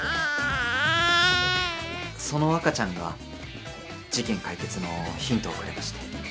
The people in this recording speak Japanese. ・その赤ちゃんが事件解決のヒントをくれまして。